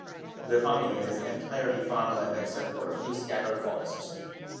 The commune is entirely farmland except for a few scattered forests.